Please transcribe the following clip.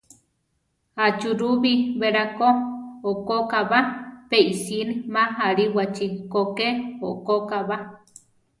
Achúrubi beláko okokába; pe isíini ma aliwáchi ko ké okóʼkaba.